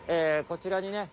こちらにね